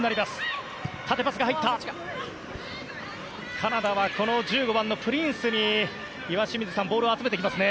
カナダはこの１５番のプリンスにボールを集めてきますね。